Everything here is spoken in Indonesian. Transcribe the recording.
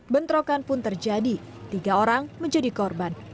bentrokan pun terjadi tiga orang menjadi korban